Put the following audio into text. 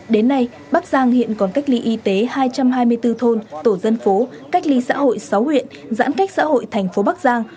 đến nay bắc giang hiện còn cách ly y tế hai trăm hai mươi bốn thôn tổ dân phố cách ly xã hội sáu huyện giãn cách xã hội thành phố bắc giang